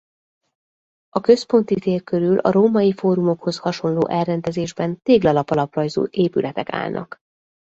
A központi tér körül a római fórumokhoz hasonló elrendezésben téglalap alaprajzú épületek állnak.